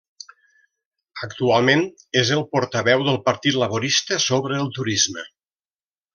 Actualment és el portaveu del Partit Laborista sobre el turisme.